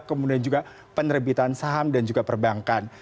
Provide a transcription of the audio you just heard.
kemudian juga penerbitan saham dan juga perbankan